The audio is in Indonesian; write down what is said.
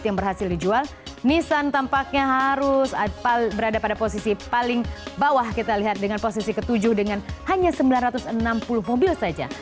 jadi jual nissan tampaknya harus berada pada posisi paling bawah kita lihat dengan posisi ke tujuh dengan hanya sembilan ratus enam puluh mobil saja